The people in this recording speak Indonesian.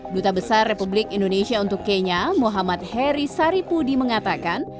duta besar republik indonesia untuk kenya muhammad heri saripudi mengatakan